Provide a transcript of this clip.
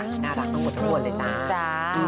น่ารักทั้งหมดทุกคนเลยจ้า